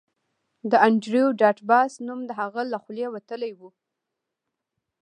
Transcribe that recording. د انډریو ډاټ باس نوم د هغه له خولې وتلی و